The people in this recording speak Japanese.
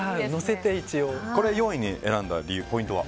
これを４位に選んだポイントは？